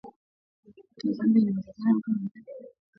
Wa zambia watu weko naongea chibemba na kingereza